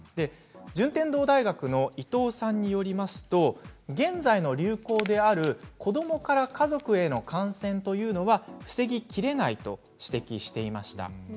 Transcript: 順天堂大学の伊藤さんによりますと現在の流行である子どもから家族への感染というのは防ぎきれないと指摘しています。